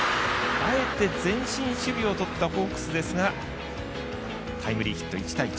あえて、前進守備をとったホークスですがタイムリーヒット、１対１。